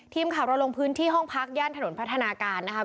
ทีมข่าวเราลงพื้นที่ห้องพักย่านถนนพัฒนาการนะครับ